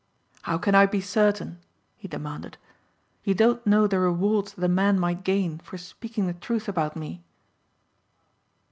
"How can I be certain?" he demanded. "You don't know the rewards that a man might gain for speaking the truth about me."